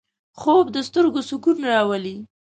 خوب د سترګو سکون راولي